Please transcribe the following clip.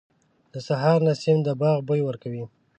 • د سهار نسیم د باغ بوی ورکوي.